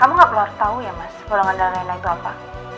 kamu gak perlu harus tau ya mas golongan darah rena itu apa